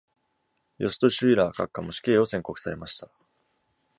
ヨスト・シュイラー閣下も死刑を宣告されました。